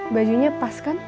bajunya pas kan